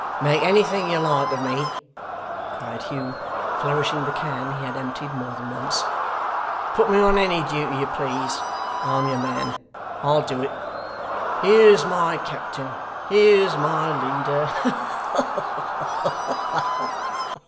'Make anything you like of me!' cried Hugh, flourishing the can he had emptied more than once. 'Put me on any duty you please. I'm your man. I'll do it. Here's my captain here's my leader. Ha ha ha!